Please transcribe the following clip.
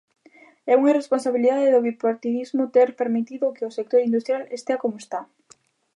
É unha irresponsabilidade do bipartidismo ter permitido que o sector industrial estea como está.